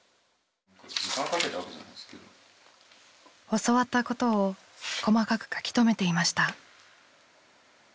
教わったことを細かく書き留めていました。